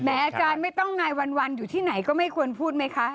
อาจารย์ไม่ต้องนายวันอยู่ที่ไหนก็ไม่ควรพูดไหมคะ